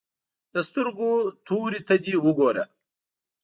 د سترګو تورې ته دې وګوره.